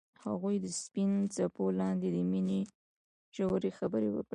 هغوی د سپین څپو لاندې د مینې ژورې خبرې وکړې.